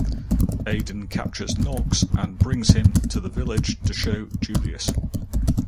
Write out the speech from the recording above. Aiden captures Nox and brings him to the village to show Julius.